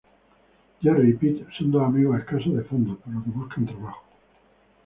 Jerry y Pete son dos amigos escasos de fondos, por lo que buscan trabajo.